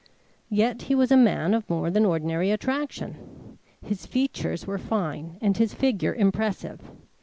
Yet he was a man of more than ordinary attraction. His features were fine and his figure impressive.